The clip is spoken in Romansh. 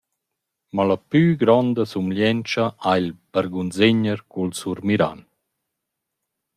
Mo la plü gronda sumglientscha ha il bargunzegner cul surmiran.